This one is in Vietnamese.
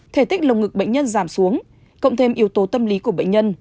thể tích lồng ngực bệnh nhân giảm xuống cộng thêm yếu tố tâm lý của bệnh nhân